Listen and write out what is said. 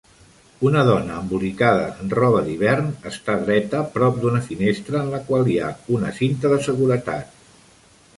Una dona embolicada en roba d'hivern està dreta prop d'una finestra en la qual hi ha una cinta de seguretat